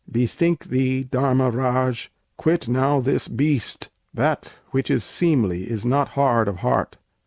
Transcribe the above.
Bethink thee, Dharmaraj; quit now this beast! That which is seemly is not hard of heart."